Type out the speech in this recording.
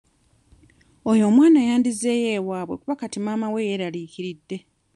Oyo omwana yandizzeeyo ewaabwe kuba kati maama we alabika yeeraliikiridde.